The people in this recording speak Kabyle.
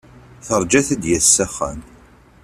Terja-t ad d-yas s axxam.